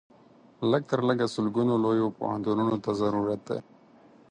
لږ تر لږه سلګونو لویو پوهنتونونو ته ضرورت دی.